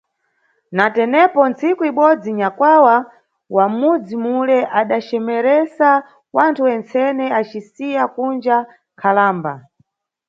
Na tenepo, ntsiku ibodzi, nyakwawa wa m`mudzi mule adacemeresa wanthu wentsene acisiya kunja nkhalamba.